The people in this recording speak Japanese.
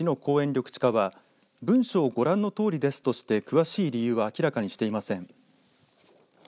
緑地課は文書をご覧のとおりですとして詳しい理由は明らかにしていません。